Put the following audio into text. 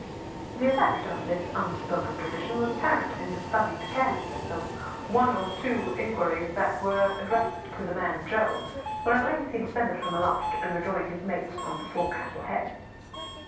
The effect of this unspoken tradition was apparent in the studied carelessness of the one or two inquiries that were addressed to the man Joe, when at length he descended from aloft and rejoined his mates on the forecastle head.